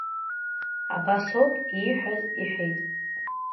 Абас ауп ииҳәаз, — иҳәеит.